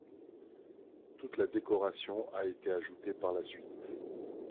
Toute la décoration a été ajoutée par la suite.